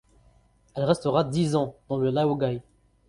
Elle restera dix ans dans le laogaï.